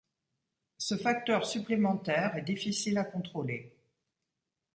Ce facteur supplémentaire est difficile à contrôler.